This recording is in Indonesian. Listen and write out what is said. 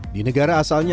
di negara asalnya